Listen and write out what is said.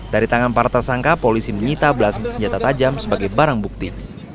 dari tangan para tersangka polisi menyita belasan senjata tajam sebagai barang bukti